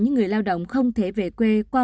những người lao động không thể về quê qua